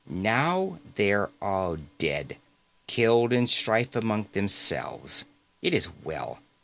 Now they are all dead, killed in strife among themselves. It is well.